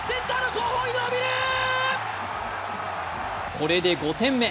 これで５点目。